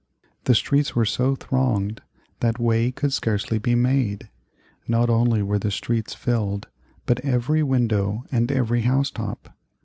The streets were so thronged that way could scarcely be made. Not only were the streets filled, but every window and every house top.